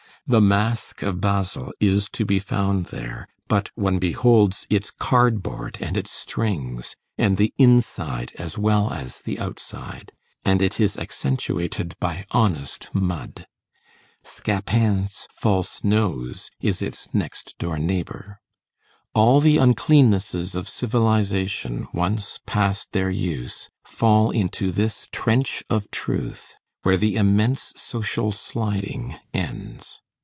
The mask of Basil is to be found there, but one beholds its cardboard and its strings and the inside as well as the outside, and it is accentuated by honest mud. Scapin's false nose is its next door neighbor. All the uncleannesses of civilization, once past their use, fall into this trench of truth, where the immense social sliding ends.